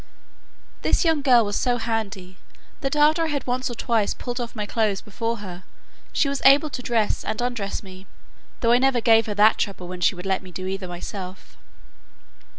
This young girl was so handy, that after I had once or twice pulled off my clothes before her, she was able to dress and undress me, though I never gave her that trouble when she would let me do either myself.